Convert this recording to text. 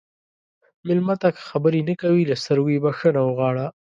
مېلمه ته که خبرې نه کوي، له سترګو یې بخښنه وغواړه.